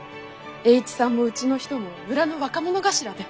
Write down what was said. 栄一さんもうちの人も村の若者頭で。